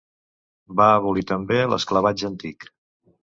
Va abolir, també, l'esclavatge antic.